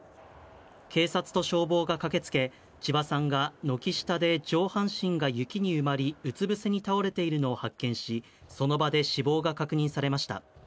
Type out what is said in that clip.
警察と消防が駆けつけ、千葉さんが軒下で上半身が雪に埋まり、うつぶせに倒れているのを発見し、その場で死亡が確認されました。